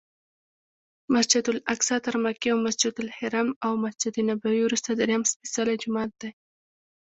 مسجدالاقصی تر مکې او مسجدالحرام او مسجدنبوي وروسته درېیم سپېڅلی جومات دی.